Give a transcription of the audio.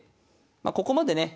ここまでね